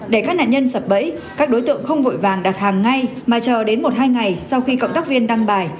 để các nạn nhân sập bẫy các đối tượng không vội vàng đặt hàng ngay mà chờ đến một hai ngày sau khi cộng tác viên đăng bài